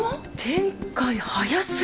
展開早すぎ。